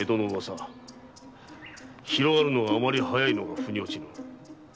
広がるのがあまり早いのが腑に落ちぬ。